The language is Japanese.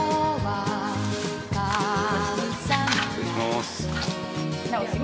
失礼します。